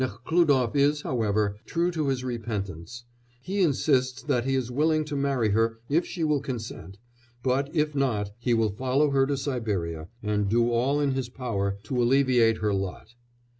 Nekhlúdof is, however, true to his repentance; he insists that he is willing to marry her if she will consent, but, if not, he will follow her to Siberia, and do all in his power to alleviate her lot.